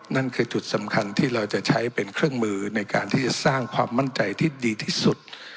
นั่นคือจุดสำคัญที่เราจะใช้เป็นเครื่องมือในการที่จะสร้างความมั่นใจที่ดีที่สุด